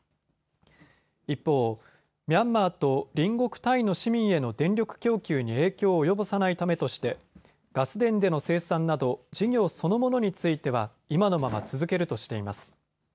一方、ミャンマーと隣国タイの市民への電力供給に影響を及ぼさないためとしてガス田での生産など事業そのものについては今のまま続けるとしています。